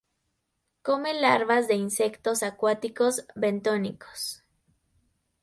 Come larvas de insectos acuáticos bentónicos.